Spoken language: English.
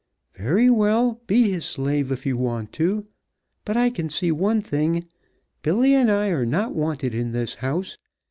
Very well, be his slave if you want to. But I can see one thing Billy and I are not wanted in this house.